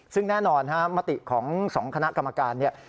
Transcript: ซึ่งแน่นอนฮะมติของ๒คณะกรรมการเนี่ย